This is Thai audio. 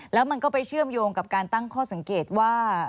แล้วมันก็ไปเชื่อมโยงกับการตั้งข้อสังเกตว่า